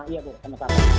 iya bu terima kasih